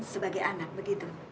sebagai anak begitu